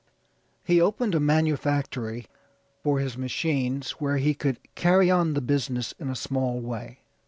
He opened a manufactory for his machines where he could carry on the business in a small way.